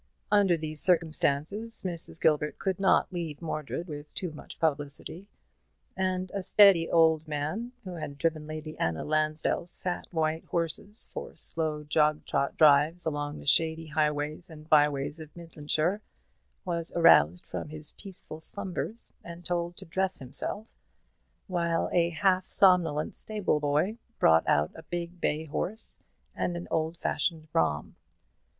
Under these circumstances, Mrs. Gilbert could not leave Mordred with too much publicity; and a steady old man, who had driven Lady Anna Lansdell's fat white horses for slow jog trot drives along the shady highways and by ways of Midlandshire, was aroused from his peaceful slumbers and told to dress himself, while a half somnolent stable boy brought out a big bay horse and an old fashioned brougham.